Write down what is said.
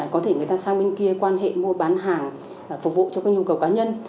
có thể người ta sang bên kia quan hệ mua bán hàng phục vụ cho các nhu cầu cá nhân